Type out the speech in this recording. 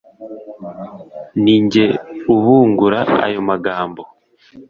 ni jye ubungura ayo magambo.